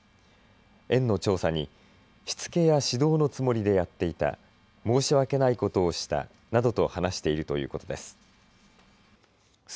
園の調査にしつけや指導のつもりでやっていた申し訳ないことをしたなどと話しているということです。